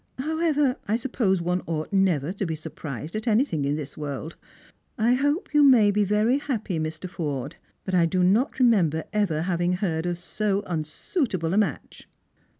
However, I suppose one ought never to be sur prised at anything in this world. I hope you may be happy, Mr. Forde; but I do not remember ever having heard of so un suitable a match."